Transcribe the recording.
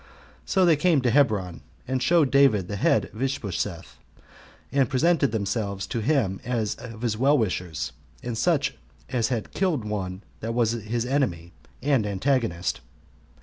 So they came to Hebron, and showed David the head of Ishbosheth, and presented themselves to him as his well wishers, and such as had killed one that was his enemy and antagonist.